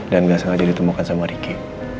dan gak sengaja ditemukan sama ricky